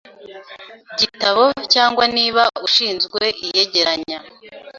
gitabo cyangwa niba ushinzwe iyegeranya